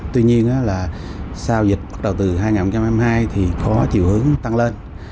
tuy nhiên là sau dịch bắt đầu từ hai nghìn hai mươi hai thì có chiều hướng tăng lên